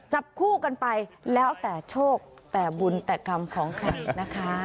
จับคู่กันไปแล้วแต่โชคแต่บุญแต่กรรมของใครนะคะ